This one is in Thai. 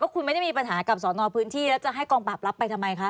คุณไม่ได้มีปัญหากับสอนอพื้นที่แล้วจะให้กองปราบรับไปทำไมคะ